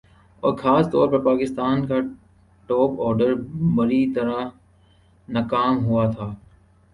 اور خاص طور پر پاکستان کا ٹاپ آرڈر بری طرح ناکام ہوا تھا